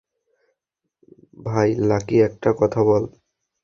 ভাই, লাকি, একটা কথা বল।